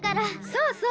そう。